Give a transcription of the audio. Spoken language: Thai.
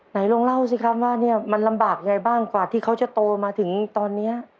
ไหนลองเล่าสิครับว่าเนี่ยมันลำบากยังไงบ้างกว่าที่เขาจะโตมาถึงตอนนี้